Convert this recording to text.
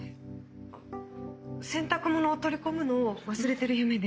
洗濯物を取り込むのを忘れてる夢で。